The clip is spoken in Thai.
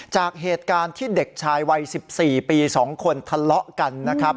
จากเหตุการณ์ที่เด็กชายวัย๑๔ปี๒คนทะเลาะกันนะครับ